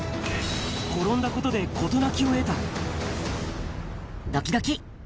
転んだことで事なきを得た。